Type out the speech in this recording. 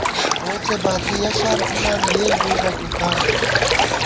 روڅے باتی یَہ شان تھِمان، یېل بُوئی بہ دُکان دِمېک